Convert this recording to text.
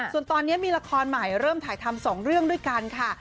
ส่วนตอนนี้มีละครใหม่เริ่มถ่ายทำ๒เรื่องด้วยกันค่ะ